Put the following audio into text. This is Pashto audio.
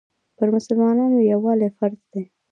پر مسلمانانو یووالی فرض دی.